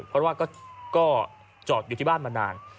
เพราะว่าก็จอดอยู่ที่บ้านมานาน